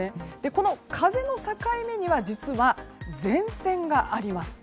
この風の境目には実は前線があります。